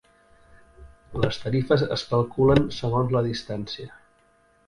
Les tarifes es calculen segons la distància.